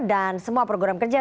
dan semua program kerja